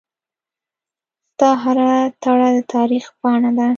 ستا هره تړه دتاریخ پاڼه ده